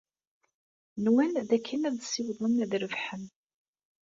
Nwan dakken ad ssiwḍen ad rebḥen.